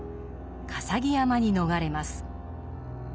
笠置山に逃れます。